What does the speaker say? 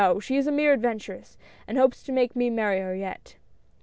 she is a mere adventuress, and hopes to make me marry her yet."